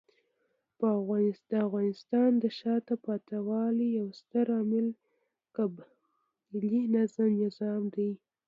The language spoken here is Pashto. د افغانستان د شاته پاتې والي یو ستر عامل قبیلې نظام دی.